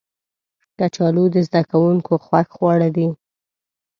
کچالو د زده کوونکو خوښ خواړه دي